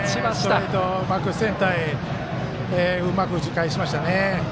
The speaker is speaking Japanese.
ストレート、センターへうまく打ち返しましたよね。